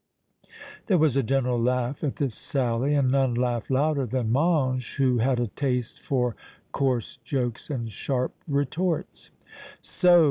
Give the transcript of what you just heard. There was a general laugh at this sally, and none laughed louder than Mange, who had a taste for coarse jokes and sharp retorts. "So!"